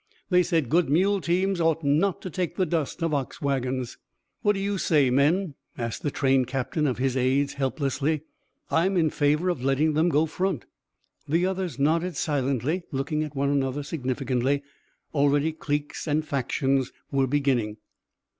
They said good mule teams ought not to take the dust of ox wagons. "What do you say, men?" asked the train captain of his aids helplessly. "I'm in favor of letting them go front." The others nodded silently, looking at one another significantly. Already cliques and factions were beginning.